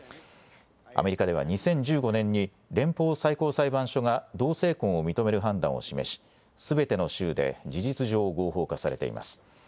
アメリカでは２０１５年に、連邦最高裁判所が同性婚を認める判断を示し、すべての州で事実上、合法化されています。